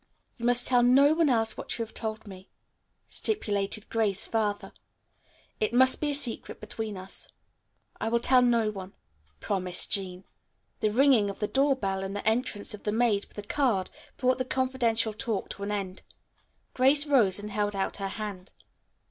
"You must tell no one else what you have told me," stipulated Grace further. "It must be a secret between us." "I will tell no one," promised Jean. The ringing of the door bell and the entrance of the maid with a card, brought the confidential talk to an end. Grace rose and held out her hand.